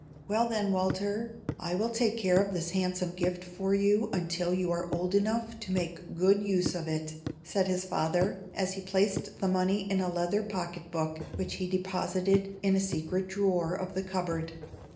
"Well, then, Walter, I will take care of this handsome gift for you until you are old enough to make a good use of it," said his father, as he placed the money in a leather pocket book, which he deposited in a secret drawer of the cupboard.